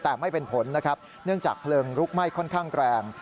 แต่ไม่เป็นผลนะครับเนื่องจากเพลิงลุกไหม้ค่อนข้างแรง